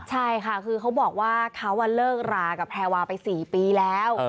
ใช่ค่ะคือเขาบอกว่าเขาเลิกรากับแพรวาไป๔ปีแล้ว